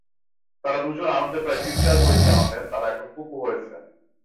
তাঁরা দুজন আনন্দে প্রায় চিৎকার করেই জানালেন, তাঁরা এখন ফুপু হয়েছেন।